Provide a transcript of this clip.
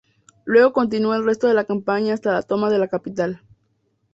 Luego continuó el resto de la campaña hasta la toma de la capital.